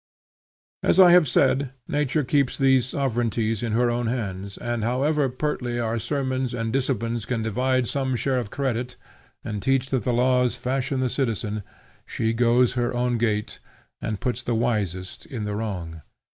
As I have said, Nature keeps these sovereignties in her own hands, and however pertly our sermons and disciplines would divide some share of credit, and teach that the laws fashion the citizen, she goes her own gait and puts the wisest in the wrong.